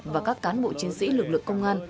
và các cán bộ chiến sĩ lực lượng công an